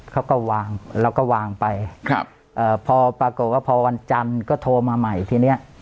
เขาก็วางแล้วก็วางไปครับเอ่อพอปรากฏว่าพอวันจันทร์ก็โทรมาใหม่ทีเนี้ย